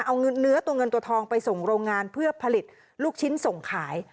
เอาเนื้อตัวเงินตัวทองไปส่งโรงงานเพื่อผลิตลูกชิ้นส่งขาย